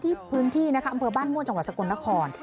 ที่พื้นที่อำเภอบ้านมวลเศรษฐ์ฝรกลนคร